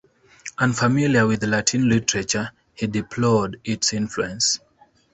Unfamiliar with Latin literature, he deplored its influence.